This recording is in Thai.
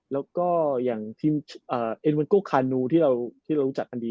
แล้วก็อย่างทีมเอ็นวันโก้คานูที่เรารู้จักกันดี